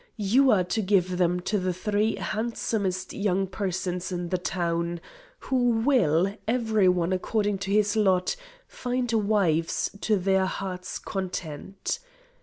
You are to give them to the three handsomest young persons in the town, who will, every one according to his lot, find wives to their heart's content.